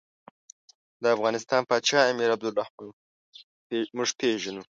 د افغانستان پاچا امیر عبدالرحمن موږ پېژنو.